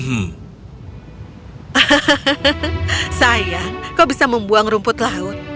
hahaha saya kau bisa membuang rumput laut